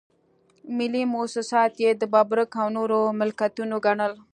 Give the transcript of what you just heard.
ملي مواسسات یې د ببرک او نورو ملکيتونه ګڼل.